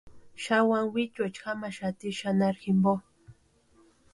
Xani wani wichucha jamaxati xanharu jimpo.